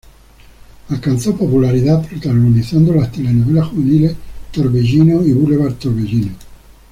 Alcanzó popularidad protagonizando las telenovelas juveniles "Torbellino" y "Boulevard Torbellino".